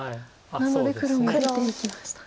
なので黒も出ていきました。